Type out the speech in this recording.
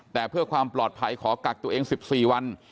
แต่เพื่อความปลอดภัยขอกักตัวเอง๑๔วัน